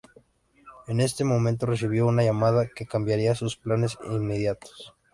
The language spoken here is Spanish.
En ese momento recibió una llamada que cambiaría sus planes inmediatos.